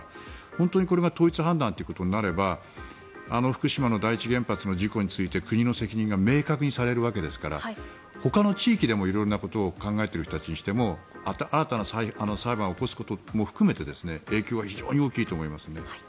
本当にこれが統一判断ということになれば福島の第一原発の事故について国の責任が明確にされるわけですからほかの地域でも色々なことを考えている人たちにしても新たな裁判を起こすことも含めて影響は非常に大きいと思いますね。